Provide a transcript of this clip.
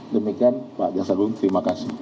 demikian pak jaksa agung terima kasih